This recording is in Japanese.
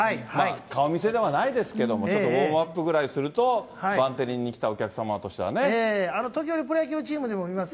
顔見せではないですけども、ちょっとウォームアップぐらいすると、バ時折、プロ野球チームにもいます。